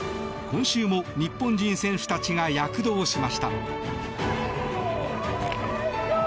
今週も日本人選手たちが躍動しました。